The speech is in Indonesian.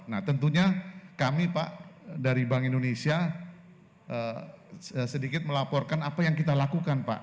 nah tentunya kami pak dari bank indonesia sedikit melaporkan apa yang kita lakukan pak